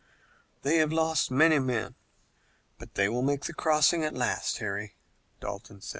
"They have lost many men, but they will make the crossing at last, Harry," said Dalton.